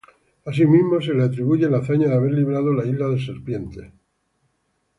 Así mismo, se le atribuye la hazaña de haber librado la isla de serpientes.